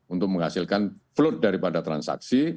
untuk menghasilkan fload daripada transaksi